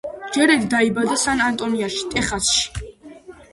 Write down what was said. ჯერედი დაიბადა სან-ანტონიოში, ტეხასში.